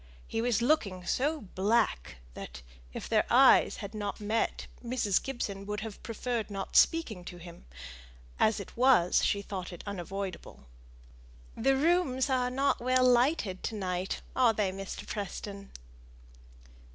He was looking so black that, if their eyes had not met, Mrs. Gibson would have preferred not speaking to him; as it was, she thought it unavoidable. "The rooms are not well lighted to night, are they, Mr. Preston?"